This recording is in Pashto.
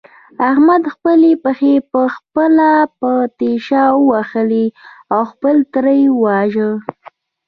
احمد خپلې پښې په خپله په تېشه ووهلې او خپل تره يې وواژه.